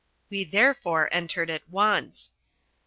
We therefore entered at once.